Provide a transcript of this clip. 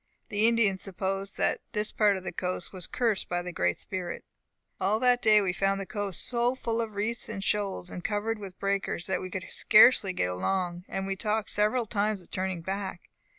The Indians supposed that this part of the coast was cursed by the Great Spirit. "All that day we found the coast so full of reefs and shoals, and covered with breakers, that we could scarcely get along; and we talked several times of turning back.